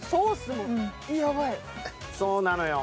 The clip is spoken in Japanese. そうなのよ。